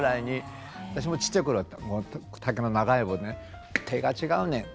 私もちっちゃい頃は竹の長い棒でね「手が違うねん！